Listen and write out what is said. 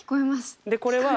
でこれは。